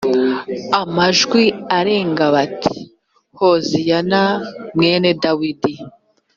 amajwi arenga bati “hoziyana mwene dawidi..”